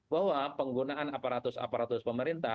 bahwa penggunaan aparatus aparatus pemerintah